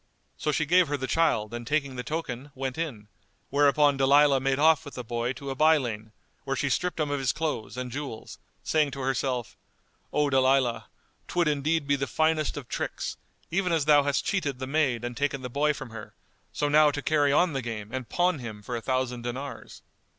So she gave her the child and taking the token, went in; whereupon Dalilah made off with the boy to a by lane, where she stripped him of his clothes and jewels, saying to herself, "O Dalilah, 'twould indeed be the finest of tricks, even as thou hast cheated the maid and taken the boy from her, so now to carry on the game and pawn him for a thousand dinars."